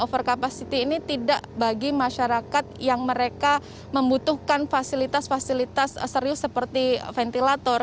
over capacity ini tidak bagi masyarakat yang mereka membutuhkan fasilitas fasilitas serius seperti ventilator